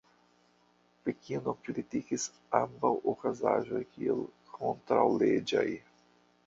Pekino kritikis ambaŭ okazaĵoj kiel kontraŭleĝaj.